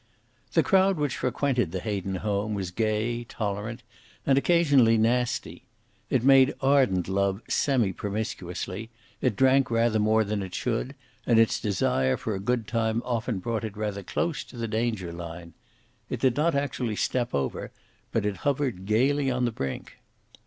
The crowd which frequented the Hayden home was gay, tolerant and occasionally nasty. It made ardent love semi promiscuously, it drank rather more than it should, and its desire for a good time often brought it rather close to the danger line. It did not actually step over, but it hovered gayly on the brink.